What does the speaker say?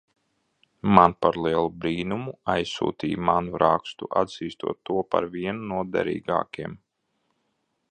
Man par lielu brīnumu – aizsūtīja manu rakstu, atzīstot to par vienu no derīgākiem.